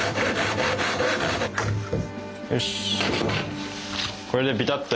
よし。